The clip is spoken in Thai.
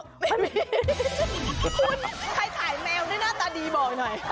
คุณใครขายแมวด้วยหน้าตาดีบอกหน่อย